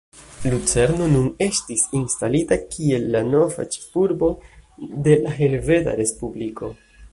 Lucerno nun estis instalita kiel la nova ĉefurbo de la Helveta Respubliko.